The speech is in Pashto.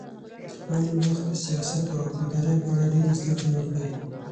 د خپل وخت د سیاست او حکومتدارۍ په اړه ډېرې زده کړې وکړې.